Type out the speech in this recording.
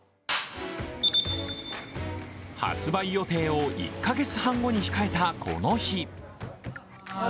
発売予定を１カ月半後に控えたこの日。